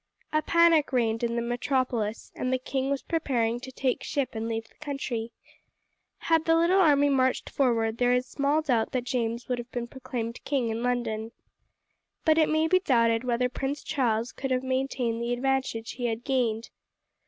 A panic reigned in the metropolis, and the king was preparing to take ship and leave the country. Had the little army marched forward there is small doubt that James would have been proclaimed king in London. But it may be doubted whether Prince Charles could have maintained the advantage he had gained.